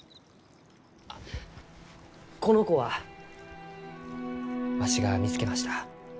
あこの子はわしが見つけました。